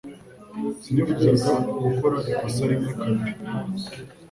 Sinifuzaga gukora ikosa rimwe kabiri